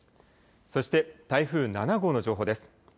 そして台風７号の情報です。